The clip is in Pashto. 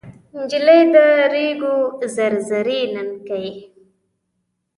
نجلۍ د ریګو زر زري ننکۍ